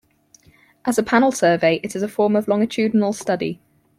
As a panel survey it is a form of longitudinal study.